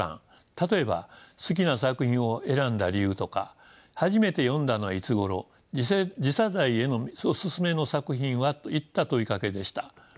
例えば「好きな作品を選んだ理由」とか「初めて読んだのはいつごろ」「次世代へのおすすめの作品は」といった問いかけでした。